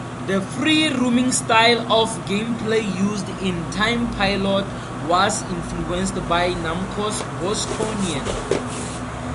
The free-roaming style of gameplay used in "Time Pilot" was influenced by Namco's "Bosconian".